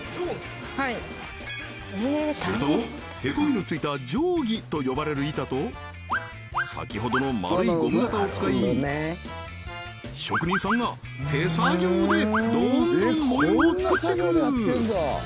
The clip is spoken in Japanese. すると凹みのついた定規と呼ばれる板と先ほどのマルいゴム型を使い職人さんが手作業でどんどん模様を作ってく！